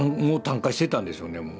もう炭化してたんですよね